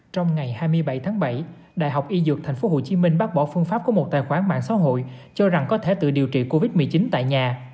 trong ngày hai mươi bảy tháng bảy đại học y dược tp hcm bác bỏ phương pháp của một tài khoản mạng xã hội cho rằng có thể tự điều trị covid một mươi chín tại nhà